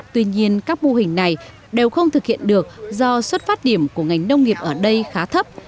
tuy nhiên các mô hình này đều không thực hiện được do xuất phát điểm của ngành nông nghiệp ở đây khá thấp